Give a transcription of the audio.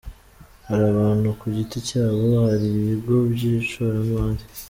Hari abantu ku giti cyabo, hari ibigo by’ishoramari.